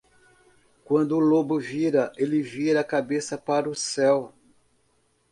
Quando o lobo vira, ele vira a cabeça para o céu.